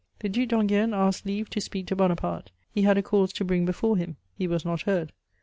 The Duc d'Enghien asked leave to speak to Bonaparte: "he had a cause to bring before him;" he was not heard!